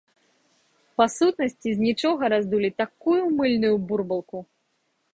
Па сутнасці з нічога раздулі такую мыльную бурбалку!